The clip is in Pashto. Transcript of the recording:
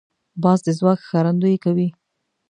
باز د ځواک ښکارندویي کوي